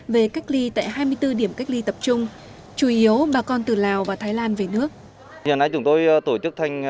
về cách ly tại hai mươi bốn điểm cách ly tập trung chủ yếu bà con từ lào và thái lan về nước